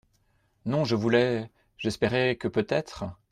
Non, je voulais… j’espérais que peut-être ?…